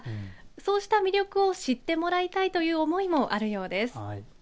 そうした魅力を知ってもらいたいという思いもあるようです。